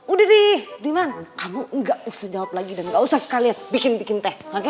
udah deh diman kamu enggak usah jawab lagi dan enggak usah sekalian bikin bikin teh oke